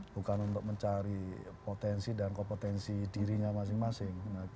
bukan untuk mencari potensi dan kompetensi dirinya masing masing